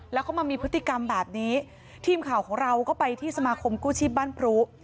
แล้วเขามามีพฤติกรรมแบบนี้ทีมข่าวของเราก็ไปที่สมาคมกู้ชีพบ้านพรุ